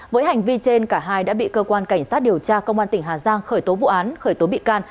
với hành vi trên cả hai đã bị cơ quan cảnh sát điều tra công an tỉnh hà giang khởi tố vụ án khởi tố bị can